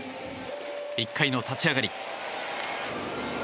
１回の立ち上がり。